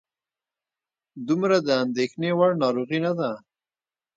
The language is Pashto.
دومره د اندېښنې وړ ناروغي نه ده.